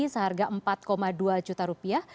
seharga empat dua juta rupiah